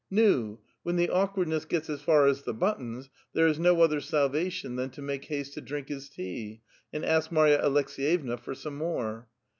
Nu! when the awkwardness gets as far as the buttons, there is no other salvation than to make haste to drink his tea, and ask Marya Aleks^yevna for some more.